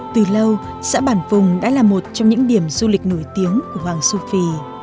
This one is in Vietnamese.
từ lâu xã bản phùng đã là một trong những điểm du lịch nổi tiếng của hoàng su phi